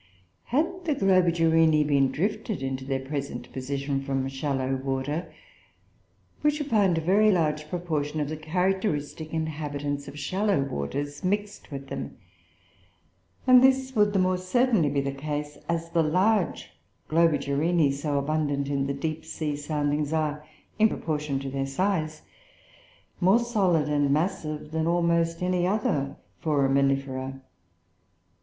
"Had the Globigerinoe been drifted into their present position from shallow water, we should find a very large proportion of the characteristic inhabitants of shallow waters mixed with them, and this would the more certainly be the case, as the large Globigerinoe, so abundant in the deep sea soundings, are, in proportion to their size, more solid and massive than almost any other Foraminifera.